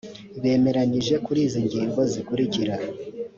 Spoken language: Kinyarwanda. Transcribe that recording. bemeranyije kuri izi ngingo zikurikira